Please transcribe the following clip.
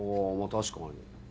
確かに。